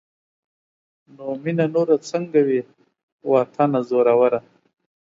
نو مينه نوره سنګه وي واطنه زوروره